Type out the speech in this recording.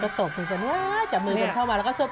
แล้วก็ตกมือกันจับมือกันเข้ามาแล้วก็เซอร์ไพรส์